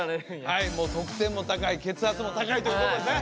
もう得点も高い血圧も高いということでね。